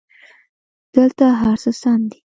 دلته هرڅه سم دي